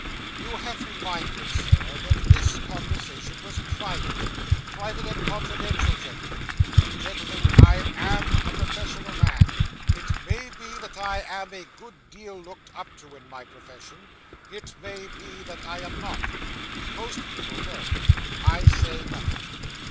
'You have reminded me, Sir, that this conversation was private private and confidential, gentlemen. Gentlemen, I am a professional man. It may be that I am a good deal looked up to, in my profession it may be that I am not. Most people know. I say nothing.